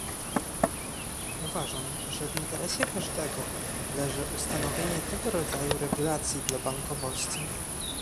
Uważam, że w interesie każdego leży ustanowienie tego rodzaju regulacji dla bankowości